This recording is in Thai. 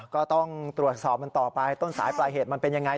ก็ต้องตรวจสอบมันต่อไปต้นสายปลายเหตุมันเป็นยังไง